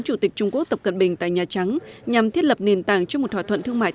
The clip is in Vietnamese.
chủ tịch trung quốc tập cận bình tại nhà trắng nhằm thiết lập nền tảng cho một thỏa thuận thương mại